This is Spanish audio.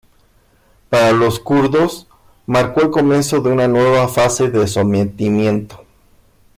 Para los kurdos, marcó el comienzo de una nueva fase de sometimiento.